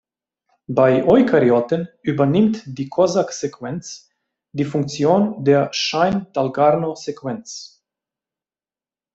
Bei Eukaryoten übernimmt die Kozak-Sequenz die Funktion der Shine-Dalgarno-Sequenz.